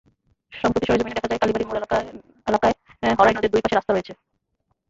সম্প্রতি সরেজমিনে দেখা যায়, কালীবাড়ি মোড় এলাকায় হড়াই নদের দুই পাশে রাস্তা রয়েছে।